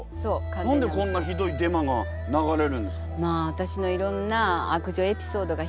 何でこんなひどいデマが流れるんですか？